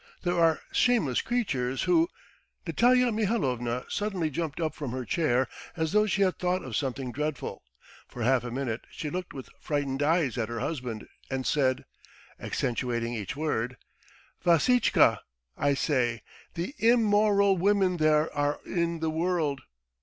There are shameless creatures who ...." Natalya Mihalovna suddenly jumped up from her chair, as though she had thought of something dreadful; for half a minute she looked with frightened eyes at her husband and said, accentuating each word: "Vassitchka, I say, the im mo ral women there are in the world!